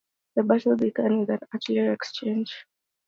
The battle began with an artillery exchange.